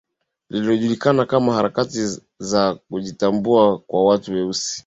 Lililojulikana kama Harakati za kujitambua kwa watu weusi